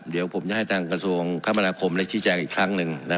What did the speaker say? เดี๋ยวผมจะให้ทางกระทรวงคำบราคมและชี้แจกอีกครั้งหนึ่งนะครับ